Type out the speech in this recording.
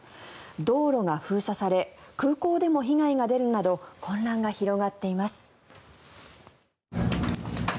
道路が封鎖され空港でも被害が出るなど混乱が広がっています。